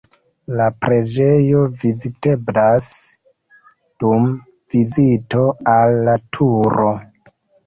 La preĝejo viziteblas dum vizito al la Turo.